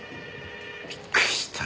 びっくりした。